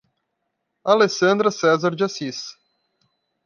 Alessandra Cesar de Assis